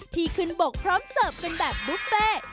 ที่ขึ้นบกพร้อมเสิร์ฟกันแบบบุฟเฟ่